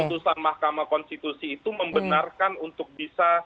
putusan mahkamah konstitusi itu membenarkan untuk bisa